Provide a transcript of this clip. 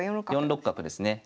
４六角ですね。